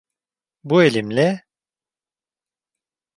Bu elimle…